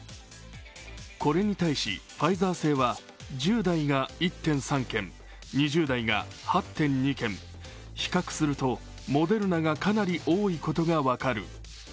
これに対し、ファイザー製は１０代が１．３件、２０代が８．２件、比較するとモデルナがかなり多いことが分かる。